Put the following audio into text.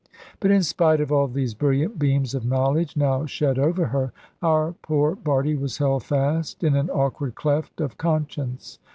But in spite of all these brilliant beams of knowledge now shed over her, our poor Bardie was held fast in an awkward cleft of conscience.